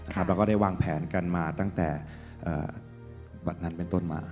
แล้วก็ได้วางแผนกันมาตั้งแต่บัตรนั้นเป็นต้นมา